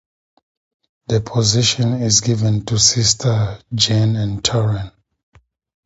The position is given to Sister Jeanne Turenne.